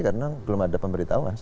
karena belum ada pemberitahuan